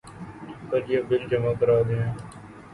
کل یہ بل جمع کرادیں